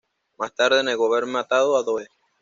Más tarde negó haber matado a Doe.